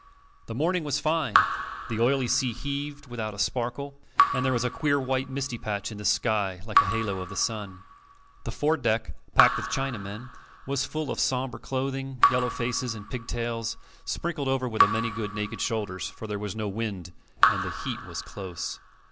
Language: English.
The morning was fine, the oily sea heaved without a sparkle, and there was a queer white misty patch in the sky like a halo of the sun. The fore deck, packed with Chinamen, was full of sombre clothing, yellow faces, and pigtails, sprinkled over with a good many naked shoulders, for there was no wind, and the heat was close.